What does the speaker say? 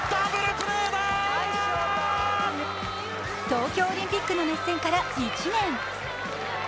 東京オリンピックの熱戦から１年。